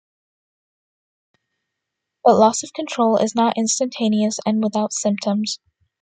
But, loss of control is not instantaneous and without symptoms.